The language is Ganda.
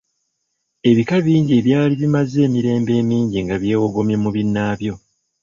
Ebika bingi ebyali bimaze emirembe emingi nga byewogomye mu binnaabyo.